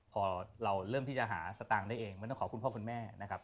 พอเราเริ่มที่จะหาสตางค์ได้เองมันต้องขอคุณพ่อคุณแม่นะครับ